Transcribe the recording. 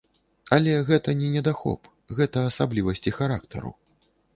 Але гэта не недахоп, гэта асаблівасці характару.